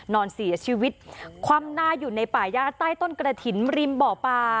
นอนเสียชีวิตคว่ำหน้าอยู่ในป่าย่าใต้ต้นกระถิ่นริมบ่อปลา